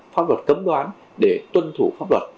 pháp luật cấm đoán để tuân thủ pháp luật